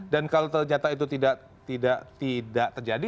dan kalau ternyata itu tidak terjadi